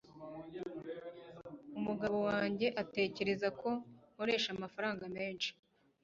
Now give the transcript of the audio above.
umugabo wanjye atekereza ko nkoresha amafaranga menshi